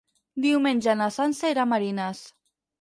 Diumenge na Sança irà a Marines.